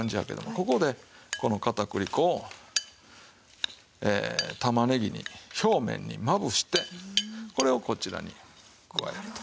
ここでこの片栗粉を玉ねぎに表面にまぶしてこれをこちらに加えると。